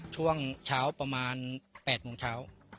ช่วงเช้าประมาณ๘โมงเช้า